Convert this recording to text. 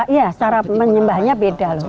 iya cara menyembahnya beda loh